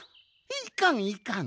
いかんいかん。